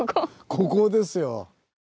ここですよ！